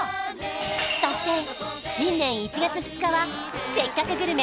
そして新年１月２日は「せっかくグルメ！！」